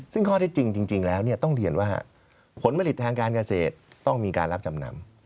ซึ่งข้อที่จริงแล้วต้องเรียนว่าผลผลิตทางการเกษตรต้องมีการรับจำนำ